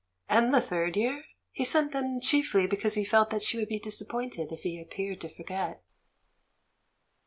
And the third year he sent them chiefly because he felt that she would be disappointed if he ap peared to forget.